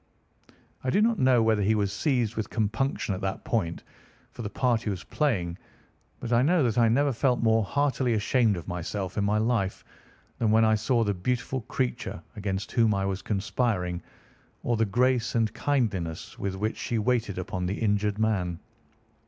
I do not know whether he was seized with compunction at that moment for the part he was playing, but I know that I never felt more heartily ashamed of myself in my life than when I saw the beautiful creature against whom I was conspiring, or the grace and kindliness with which she waited upon the injured man.